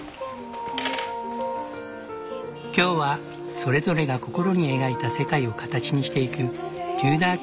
今日はそれぞれが心に描いた世界を形にしていくテューダー